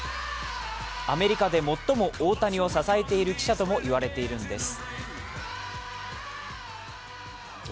アメリカで最も大谷を支えている記者ともいわれているんです。